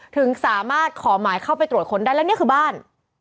ถึงสามารถขอหมายเข้าไปตรวจค้นได้แล้วนี่คือบ้าน